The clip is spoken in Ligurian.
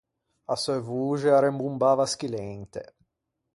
A seu voxe a rembombava schillente.